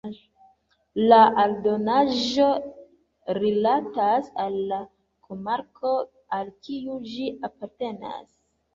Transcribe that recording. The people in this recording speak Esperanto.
La aldonaĵo rilatas al la komarko al kiu ĝi apartenas.